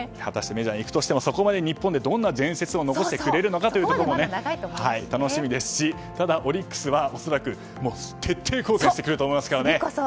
メジャーに行くとしてもそこまで日本でどんな伝説を残してくれるかも楽しみですし、ただオリックスは恐らく徹底抗戦してくると思いますからね。